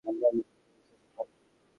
আপনি আপনার শক্তিটা বুঝতে শিখুন।